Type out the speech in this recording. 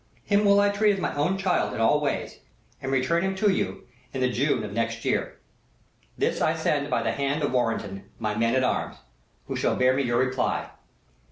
Him will I treat as my own child in all ways, and return him to you in the June of next year. "This I send by the hand of Warrenton, my man at arms, who shall bear me your reply.